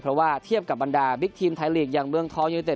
เพราะว่าเทียบกับบรรดาบิ๊กทีมไทยลีกอย่างเมืองทองยูเนเต็